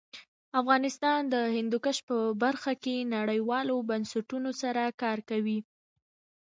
افغانستان د هندوکش په برخه کې نړیوالو بنسټونو سره کار کوي.